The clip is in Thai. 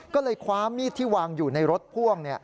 ก็เลยคว้ามีดที่วางอยู่ในรถพ่วง